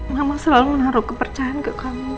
kamu selalu menaruh kepercayaan ke kamu